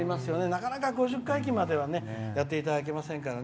なかなか５０回忌まではやっていただけませんから。